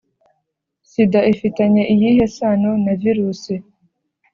sida ifitanye iyihe sano na virusi.